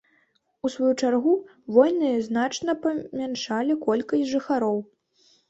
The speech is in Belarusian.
У сваю чаргу, войны значна памяншалі колькасць жыхароў.